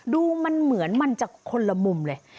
ดูมันเหมือนมันจะคนละมุมเลย